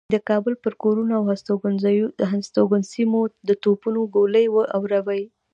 د کابل پر کورونو او هستوګنو سیمو د توپونو ګولۍ و اوروي.